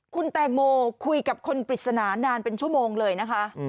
คุณแตงโมคุยกับคนปริศนานานเป็นชั่วโมงเลยนะคะ